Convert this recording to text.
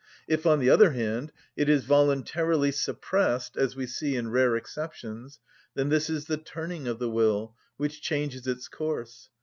If, on the other hand, it is voluntarily suppressed, as we see in rare exceptions, then this is the turning of the will, which changes its course.